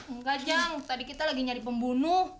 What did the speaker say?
enggak jang tadi kita lagi nyari pembunuh